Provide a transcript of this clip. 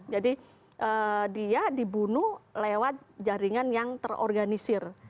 jadi dia dibunuh lewat jaringan yang terorganisir